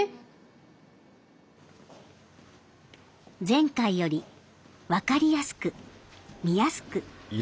前回より分かりやすく見やすく。